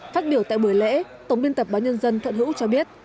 phát biểu tại buổi lễ tổng biên tập báo nhân dân thuận hữu cho biết